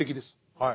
はい。